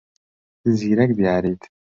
زیرەک دیاریت.